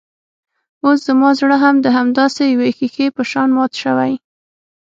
اوس زما زړه هم د همداسې يوې ښيښې په شان مات شوی.